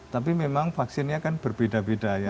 tapi memang vaksinnya kan berbeda beda ya